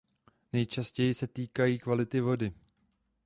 Nejčastěji se týkají kvality vody.